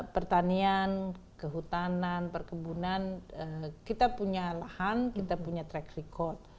pertanian kehutanan perkebunan kita punya lahan kita punya track record